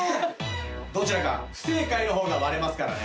どちらか不正解の方が割れますからね。